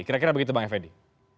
kira kira begitu bang effendi